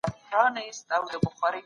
له علمي چوکاټ پرته سياستپوهنه نيمګړې ده.